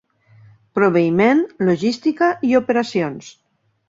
Proveïment, logística i operacions.